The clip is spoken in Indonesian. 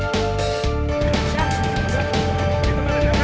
kita siap siap sekarang ya